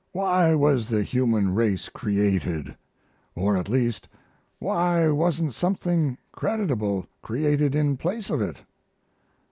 Why was the human race created? Or at least why wasn't something creditable created in place of it?...